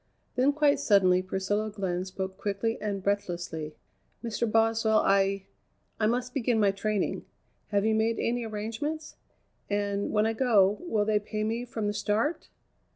Then quite suddenly Priscilla Glenn spoke quickly and breathlessly: "Mr. Boswell, I I must begin my training. Have you made any arrangements? And, when I go, will they pay me from the start?"